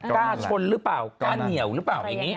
กล้าชนหรือเปล่ากล้าเหนียวหรือเปล่าอย่างนี้